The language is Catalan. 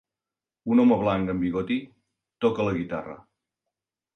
Un home blanc amb bigoti toca la guitarra.